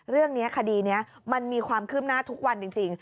เรื่องนี้คดีนี้มันมีความขึ้นหน้าทุกวันจริง